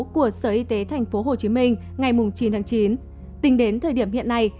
của sở y tế tp hcm ngày chín tháng chín tính đến thời điểm hiện nay